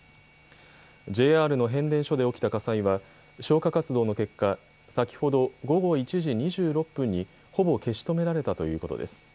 ＪＲの変電所で起きた火災は消火活動の結果、先ほど午後１時２６分にほぼ消し止められたということです。